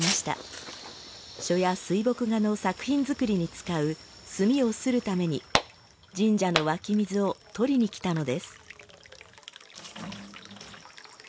書や水墨画の作品作りに使う墨をするために神社の湧き水を取りに来たのです。